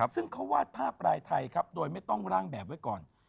ซึ่งเขาวาดผ้าปลายไทยครับโดยไม่ต้องร่างแบบไว้ก่อน